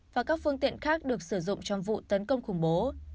và các phương tiện khác được sử dụng trong vụ tấn công khủng bố